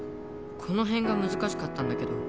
この辺が難しかったんだけど。